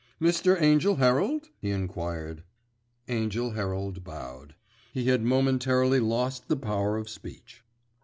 "Mr. Angell Herald?" he enquired. Angell Herald bowed. He had momentarily lost the power of speech.